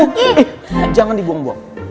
eh jangan dibuang buang